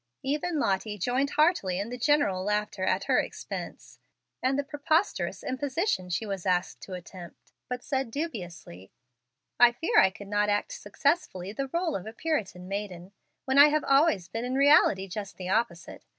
Even Lottie joined heartily in the general laugh at her expense, and the preposterous imposition she was asked to attempt, but said dubiously: "I fear I could not act successfully the role of Puritan maiden, when I have always been in reality just the opposite.